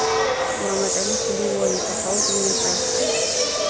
محمد علي کلي وایي تقاعد مینه پیل کړه.